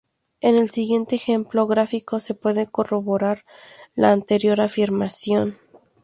En el siguiente ejemplo gráfico se puede corroborar la anterior afirmación.